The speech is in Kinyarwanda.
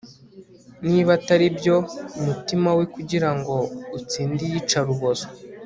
Niba atari byo mutima we kugira ngo utsinde iyicarubozo